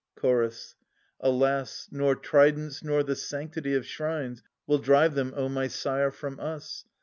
Chorus. Alas, nor tridents nor the sanctity Of shrines will drive them, O my sire, from us